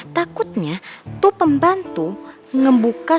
takutnya tuh pembantu ngebuka semua kelasnya